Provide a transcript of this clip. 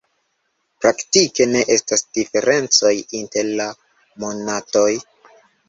Praktike ne estas diferencoj inter la monatoj.